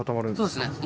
そうですね。